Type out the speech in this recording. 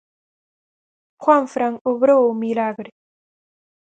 Juanfran obrou o milagre.